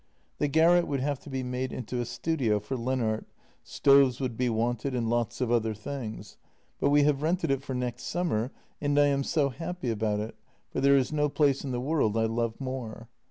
The garret would have to be made into a studio for Lennart, stoves would be wanted, and lots of other things — but we have rented it for next summer, and I am so happy about it, for there is no place in the world I love more.